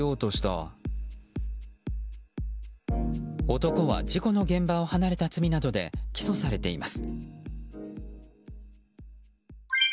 男は事故の現場を離れた罪などで起訴されています。